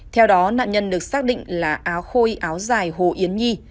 theo đó nạn nhân được xác định là áo khôi áo dài hồ yến nhi